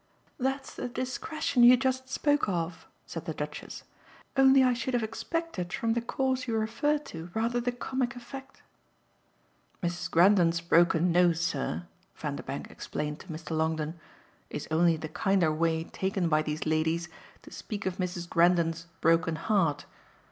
"That's the discretion you just spoke of," said the Duchess. "Only I should have expected from the cause you refer to rather the comic effect." "Mrs. Grendon's broken nose, sir," Vanderbank explained to Mr. Longdon, "is only the kinder way taken by these ladies to speak of Mrs. Grendon's broken heart.